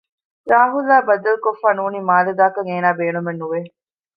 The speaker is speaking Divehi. ރާހުލްއާ ބައްދަލުކޮށްފައި ނޫނީ މާލެ ދާކަށް އޭނާ ބޭނުމެއް ނުވެ